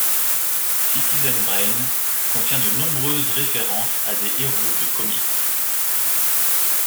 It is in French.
Citizen Brain contient de nombreuses références à des héros de Comics.